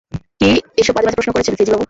কি এসব আজেবাজে প্রশ্ন করছেন, ফেজি বাবু?